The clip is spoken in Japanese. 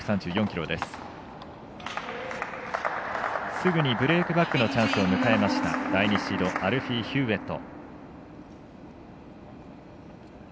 すぐにブレークバックのチャンスを迎えました第２シードアルフィー・ヒューウェット。